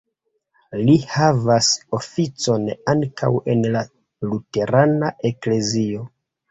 Li havas oficon ankaŭ en la luterana eklezio.